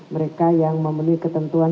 mereka yang memenuhi ketentuan